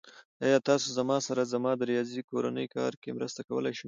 ایا تاسو زما سره زما د ریاضی کورنی کار کې مرسته کولی شئ؟